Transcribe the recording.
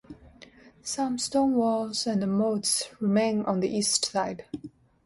Some stone walls and moats remain on the east side.